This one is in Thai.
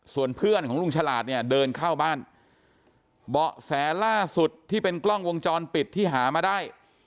ส่วนเพื่อนของลุงฉลาดเนี่ยเดินเข้าบ้านเบาะแสล่าสุดที่เป็นกล้องวงจรปิดที่หามาได้